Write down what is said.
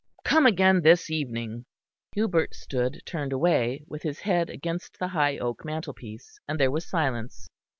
Come again this evening." Hubert stood turned away, with his head against the high oak mantelpiece; and there was silence.